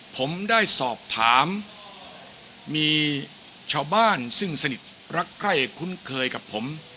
ผมได้สอบถามมีชาวบ้านซึ่งสนิทรักใกล้คุ้นเคยกับผม